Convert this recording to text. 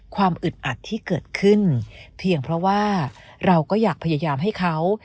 อึดอัดที่เกิดขึ้นเพียงเพราะว่าเราก็อยากพยายามให้เขา